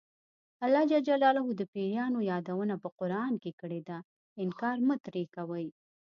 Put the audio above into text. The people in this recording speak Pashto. الله ج د پیریانو یادونه په قران کې کړې ده انکار مه ترې کوئ.